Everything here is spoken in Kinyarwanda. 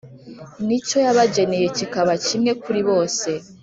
n’icyo yabageneye kikaba kimwe kuri bose;